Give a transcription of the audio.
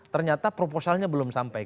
ternyata proposalnya belum sampai